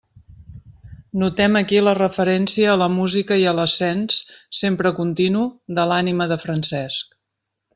Notem aquí la referència a la música i a l'ascens, sempre continu, de l'ànima de Francesc.